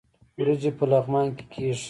وریجې په لغمان کې کیږي